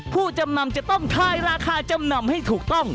ผู้จำนำจะต้องทายราคาจำนำให้ถูกต้อง